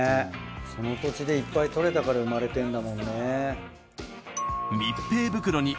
その土地でいっぱいとれたから生まれてるんだもんね。